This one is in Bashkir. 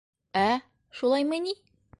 — Ә шулаймы ни?